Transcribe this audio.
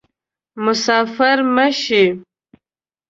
مسافر مه شي